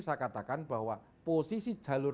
saya katakan bahwa posisi jalur